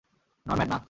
Norman, না।